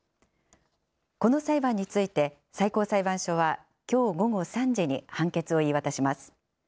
この裁判について最高裁判所は、きょう午後３時に判決を言い渡します。